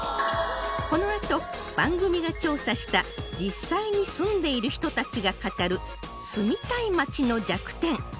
このあと番組が調査した実際に住んでいる人たちが語る住みたい街の弱点